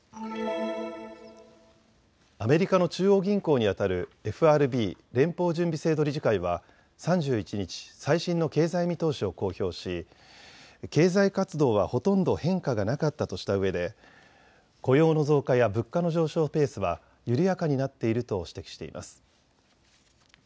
アメリカの中央銀行にあたるＦＲＢ・連邦準備制度理事会は３１日、最新の経済見通しを公表し経済活動はほとんど変化がなかったとしたうえで雇用の増加や物価の上昇ペースは緩やかになっていると指摘しています。